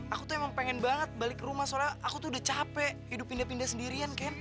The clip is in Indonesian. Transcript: aku tuh emang pengen banget balik ke rumah soalnya aku tuh udah capek hidup pindah pindah sendirian kan